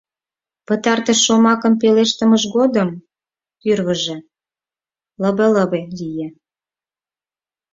Пытартыш шомакым пелештымыж годым тӱрвыжӧ лыбе-лыбе лие.